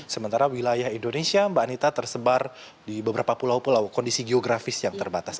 sementara wilayah indonesia mbak anita tersebar di beberapa pulau pulau kondisi geografis yang terbatas